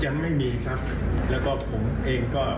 ยังไม่มีครับแล้วก็ผมเองก็